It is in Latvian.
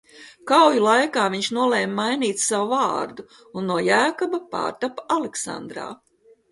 Kauju laikā viņš nolēma mainīt savu vārdu un no Jēkaba pārtapa Aleksandrā.